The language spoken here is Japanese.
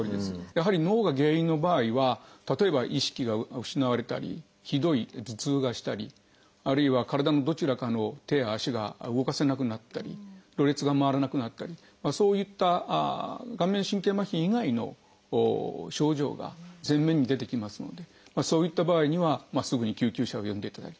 やはり脳が原因の場合は例えば意識が失われたりひどい頭痛がしたりあるいは体のどちらかの手や足が動かせなくなったりろれつが回らなくなったりそういった顔面神経麻痺以外の症状が前面に出てきますのでそういった場合にはすぐに救急車を呼んでいただきたいと。